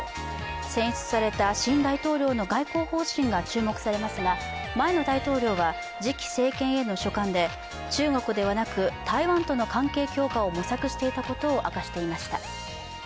選出された新大統領の外交方針が注目されますが前の大統領は次期政権への書簡で中国ではなく、台湾との関係強化を模索していたことを明かしていました。